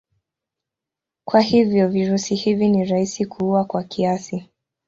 Kwa hivyo virusi hivi ni rahisi kuua kwa kiasi.